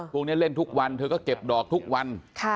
พวกนี้เล่นทุกวันเธอก็เก็บดอกทุกวัน